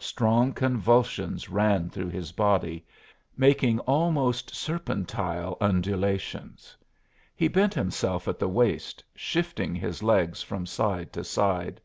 Strong convulsions ran through his body, making almost serpentile undulations. He bent himself at the waist, shifting his legs from side to side.